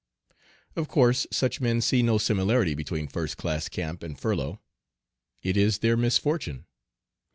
Of course such men see no similarity between first class camp and furlough. It is their misfortune.